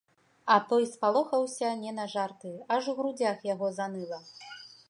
А той спалохаўся не на жарты, аж у грудзях яго заныла.